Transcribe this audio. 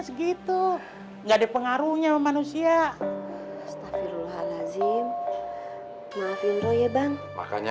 segitu enggak ada pengaruhnya manusia astagfirullahaladzim maafin roh ya bang makanya